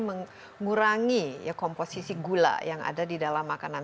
mengurangi komposisi gula yang ada di dalam makanan